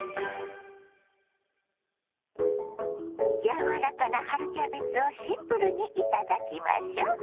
柔らかな春キャベツをシンプルにいただきましょ。